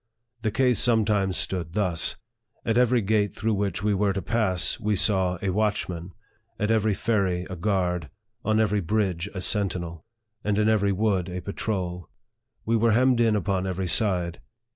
The case sometimes stood thus : At every gate through which we were to pass, we saw a watchman at every ferry a guard on every bridge a sentinel and in LIFE OF FBEDER1CK DOUGLASS. 85 every wood a patrol. We were hemmed in upon every side.